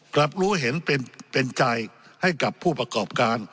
รับรู้เห็นเป็นใจให้กับผู้ประกอบการ